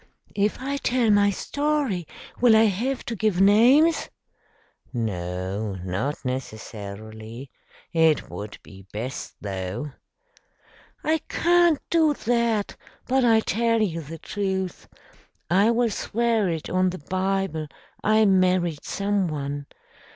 "If I tell my story, will I have to give names?" "No, not necessarily. It would be best, though." "I can't do that, but I'll tell you the truth. I will swear it on the Bible I married someone.